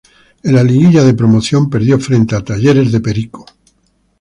En la Liguilla de Promoción perdió frente a Talleres de Perico.